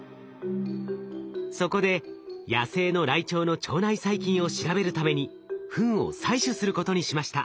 そこで野生のライチョウの腸内細菌を調べるためにフンを採取することにしました。